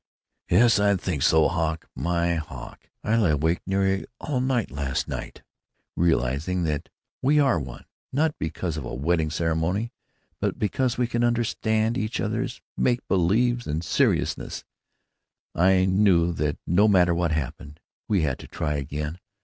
"Yes, I do think so. Hawk, my Hawk, I lay awake nearly all night last night, realizing that we are one, not because of a wedding ceremony, but because we can understand each other's make b'lieves and seriousnesses. I knew that no matter what happened, we had to try again....